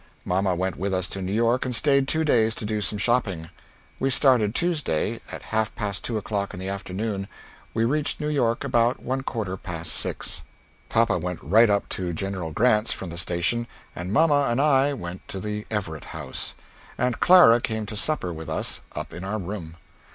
Mamma went with us to New York and stayed two days to do some shopping. We started Tuesday, at 1/2 past two o'clock in the afternoon, and reached New York about 1/4 past six. Papa went right up to General Grants from the station and mamma and I went to the Everett House. Aunt Clara came to supper with us up in our room....